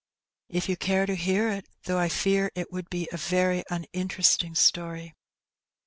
'''' If you care to hear it, though I fear it would be a very uninteresting story."